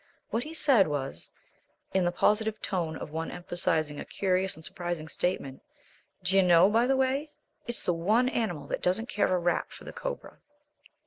What he said was, in the positive tone of one emphasizing a curious and surprising statement, "D'you know, by the way, it's the one animal that doesn't care a rap for the cobra."